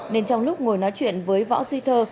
nên trong lúc ngồi nói chuyện với võ duy thơ